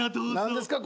何ですか？